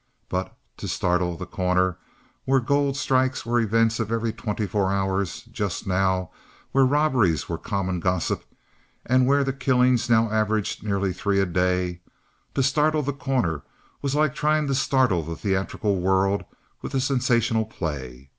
But to startle The Corner, where gold strikes were events of every twenty four hours, just now where robberies were common gossip, and where the killings now averaged nearly three a day to startle The Corner was like trying to startle the theatrical world with a sensational play.